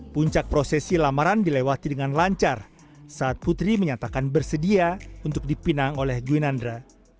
puncak prosesi lamaran dilewati dengan lancar saat putri menyatakan bersedia untuk dipinang oleh gwinandra